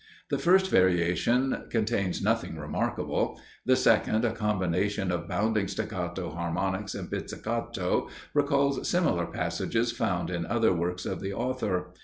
The first variation contains nothing remarkable; the second, a combination of bounding staccato harmonics and pizzicato, recalls similar passages found in other works of the author.